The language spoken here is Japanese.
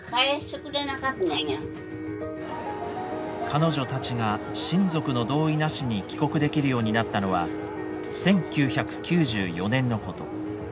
彼女たちが親族の同意なしに帰国できるようになったのは１９９４年のこと。